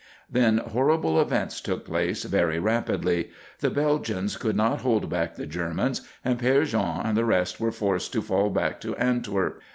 Then terrible events took place very rapidly: The Belgians could not hold back the Germans and Père Jean and the rest were forced to fall back to Antwerp.